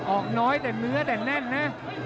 ออกน้อยแต่เนื้อแต่แน่นนะ